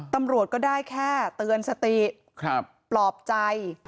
ตำรวจก็ได้แค่เตือนสติปลอบใจ